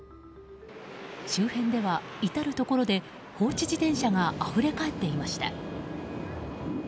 周辺では至るところで放置自転車があふれ返っていました。